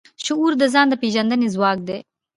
شعور د ځان د پېژندنې ځواک دی.